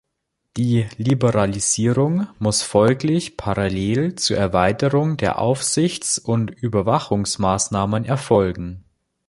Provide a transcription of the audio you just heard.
Die Liberalisierung muss folglich parallel zur Erweiterung der Aufsichts- und Überwachungsmaßnahmen erfolgen.